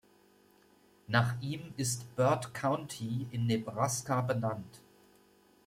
Nach ihm ist Burt County in Nebraska benannt.